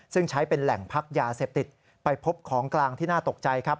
ซึ่งใช้เป็นแหล่งพักยาเสพติดไปพบของกลางที่น่าตกใจครับ